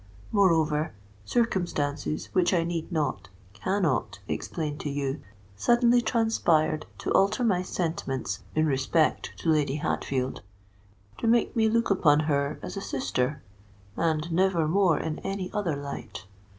Moreover, circumstances which I need not—cannot explain to you, suddenly transpired to alter my sentiments in respect to Lady Hatfield—to make me look upon her as a sister, and never more in any other light.